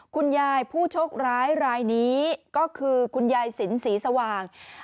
คุณยายผู้โชคร้ายรายนี้ก็คือคุณยายสินศรีสว่าง